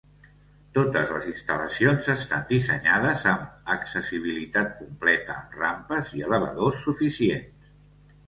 Totes les instal·lacions estan dissenyades amb accessibilitat completa amb rampes i elevadors suficients.